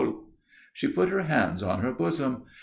She put her hands on her bosom.